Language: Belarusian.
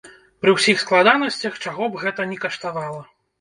Пры ўсіх складанасцях, чаго б гэта ні каштавала.